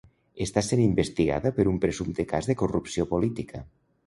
Està sent investigada per un presumpte cas de corrupció política.